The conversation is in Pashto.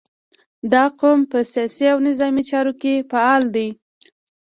• دا قوم په سیاسي او نظامي چارو کې فعال دی.